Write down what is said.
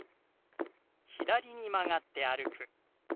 「左に曲がって歩く」。